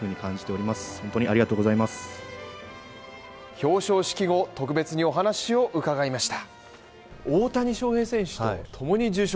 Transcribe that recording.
表彰式後、特別にお話を伺いました。